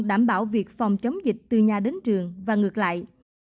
đảm bảo việc phòng chống dịch từ nhà đến trường và ngược lại